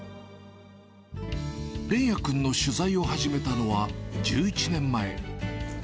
連也君の取材を始めたのは１１年前。